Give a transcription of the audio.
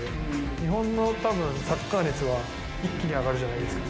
日本のたぶんサッカー熱は一気に上がるじゃないですか。